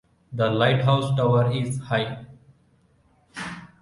The lighthouse tower is high.